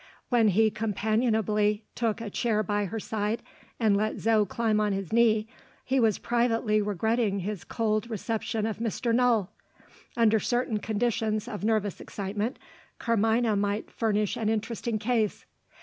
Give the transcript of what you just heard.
When he companionably took a chair by her side, and let Zo climb on his knee, he was privately regretting his cold reception of Mr. Null. Under certain conditions of nervous excitement, Carmina might furnish an interesting case.